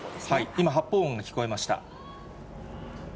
今、発砲音が聞こえました。